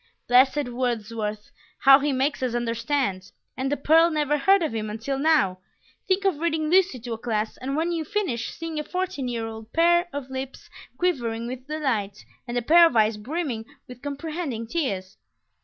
Blessed Wordsworth! How he makes us understand! And the pearl never heard of him until now! Think of reading Lucy to a class, and when you finish, seeing a fourteen year old pair of lips quivering with delight, and a pair of eyes brimming with comprehending tears!